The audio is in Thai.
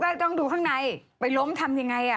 ต้องดูข้างในไปล้มทำยังไงอ่ะ